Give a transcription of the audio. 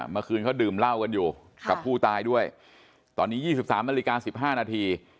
เมื่อคืนเขาดื่มเหล้ากันอยู่กับผู้ตายด้วยตอนนี้๒๓นาฬิกา๑๕นาที